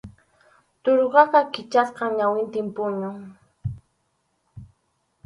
Tarukaqa kichasqa ñawillantin puñun.